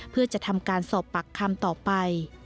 เพื่อจะทำการสอบปากคำต่อไป